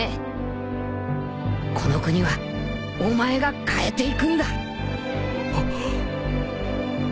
この国はお前が変えていくんだ